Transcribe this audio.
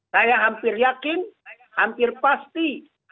saya hampir yakin hampir pasti